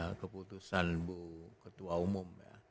ada keputusan bu ketua umum